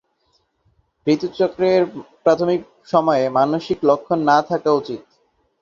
ঋতু চক্রের প্রাথমিক সময়ে মানসিক লক্ষণ না থাকা উচিত।।